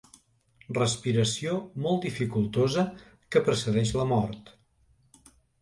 Respiració molt dificultosa que precedeix la mort.